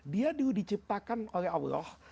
dia dulu diciptakan oleh allah